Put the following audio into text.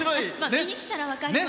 見に来たら分かります。